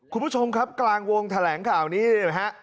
คุณผู้ชมครับกลางวงแถลงข่าวนี้นะฮะ